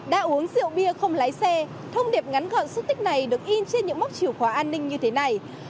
đã uống rượu bia không lái xe thông điệp ngắn gọn xuất tích này được in trên những mốc chiều khóa an ninh như thế này